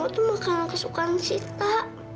padahal ini semua makanan kesukaan sita